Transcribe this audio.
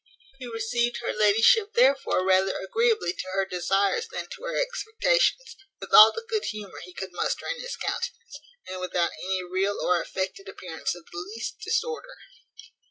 He received her ladyship therefore rather agreeably to her desires than to her expectations, with all the good humour he could muster in his countenance, and without any real or affected appearance of the least disorder.